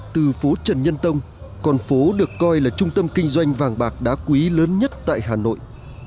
từ phố trần nhân tông còn phố được coi là trung tâm kinh doanh vàng bạc đá quý lớn nhất tại hà nội